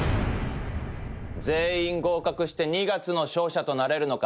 全員合格して二月の勝者となれるのか。